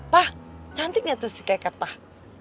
pak cantik gak tuh si keke pak